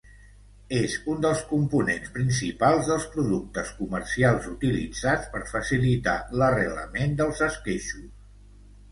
És un dels components principals dels productes comercials utilitzats per facilitar l'arrelament dels esqueixos.